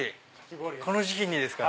この時期にですか？